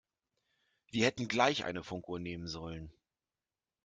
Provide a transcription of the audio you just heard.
Wir hätten gleich eine Funkuhr nehmen sollen.